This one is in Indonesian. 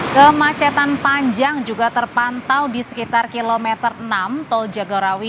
kepadatan arus kendaraan yang juga terpantau di sekitar kilometer enam tol jagarawi